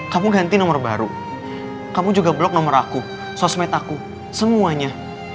kamu ganti nomor baru kamu juga blog nomor aku sosmed aku semuanya